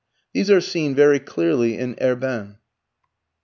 These are seen very clearly in Herbin.